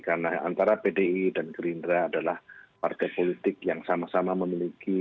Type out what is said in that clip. karena antara pdi dan gerindra adalah partai politik yang sama sama memiliki